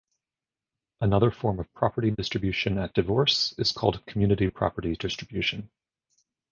Another form of property distribution at divorce is called "community property distribution".